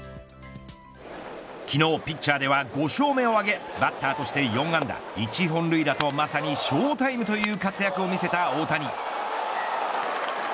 昨日、ピッチャーでは５勝目を挙げバッターとして４安打第１本塁打とまさにショータイムという活躍を見せた大谷。